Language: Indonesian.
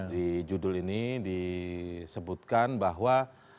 di judul ini disebutkan bahwa